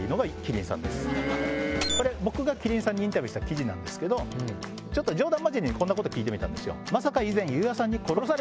これ僕が希林さんにインタビューした記事なんですけどちょっと冗談まじりにこんなこと聞いてみたんですよ。